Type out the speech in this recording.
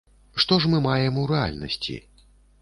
Што ж мы маем у рэальнасці?